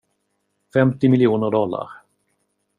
Femtio miljoner dollar.